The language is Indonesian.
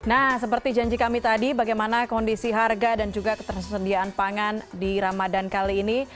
nah seperti janji kami tadi bagaimana kondisi harga dan juga ketersediaan pangan di ramadan kali ini